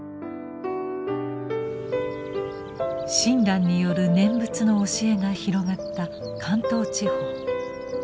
親鸞による念仏の教えが広がった関東地方。